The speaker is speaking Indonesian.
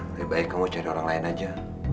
lebih baik kamu cari orang lain aja